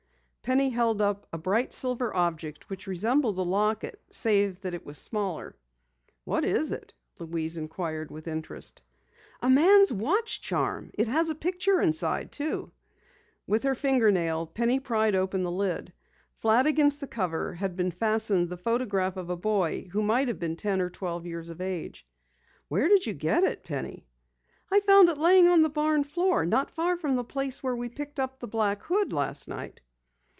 Penny held up a bright silver object which resembled a locket, save that it was smaller. "What is it?" Louise inquired with interest. "A man's watch charm! It has a picture inside too!" With her fingernail, Penny pried open the lid. Flat against the cover had been fastened the photograph of a boy who might have been ten or twelve years of age. "Where did you get it, Penny?" "I found it lying on the barn floor, not far from the place where we picked up the black hood last night."